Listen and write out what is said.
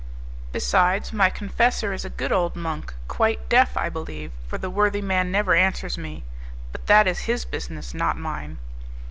Besides, my confessor is a good old monk, quite deaf, I believe, for the worthy man never answers me; but that is his business, not mine!"